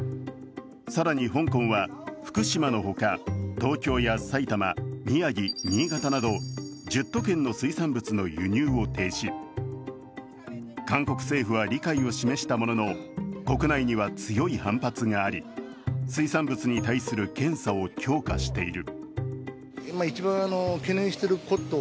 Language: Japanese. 更に香港は福島の他、東京や埼玉、宮城、新潟など１０都県の水産物の輸入を停止、韓国政府は理解を示したものの国内には強い反発があり水産物に対する検査を強化している。